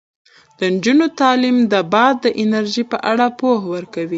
د نجونو تعلیم د باد د انرژۍ په اړه پوهه ورکوي.